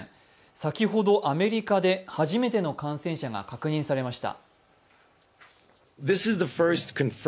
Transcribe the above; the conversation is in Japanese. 先ほど、アメリカで初めての感染者が確認されました。